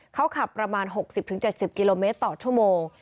เขาขับประมาณ๖๐๗๐กิโลเมตรต่อชั่วโมง